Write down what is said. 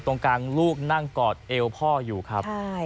ตรงกลางลูกนั่งกอดเอวพ่ออยู่ครับ